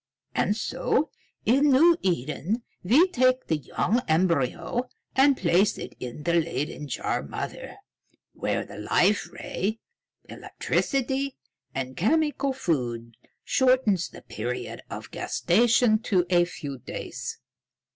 And so, in New Eden, we take the young embryo and place it in the Leyden jar mother, where the Life Ray, electricity, and chemical food shortens the period of gestation to a few days."